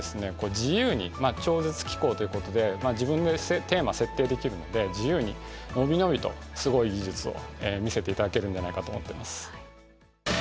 自由にまあ超絶機巧ということで自分でテーマ設定できるので自由に伸び伸びとすごい技術を見せていただけるんじゃないかと思ってます。